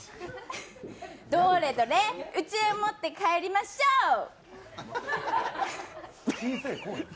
どーれどれ、うちへ持って帰りましょうっ！